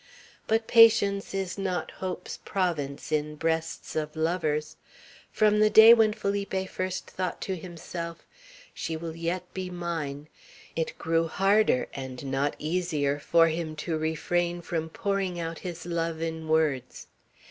But patience is not hope's province in breasts of lovers. From the day when Felipe first thought to himself, "She will yet be mine," it grew harder, and not easier, for him to refrain from pouring out his love in words.